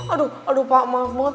aduh pak maaf banget